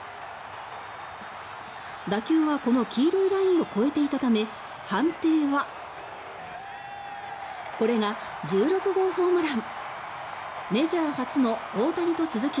打球がこの黄色いラインを超えていたため判定はこれが１６号ホームラン！